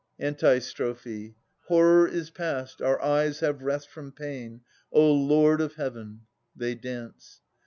Antistrophe. Horror is past. Our eyes have rest from pain. O Lord of Heaven 1 [They dance.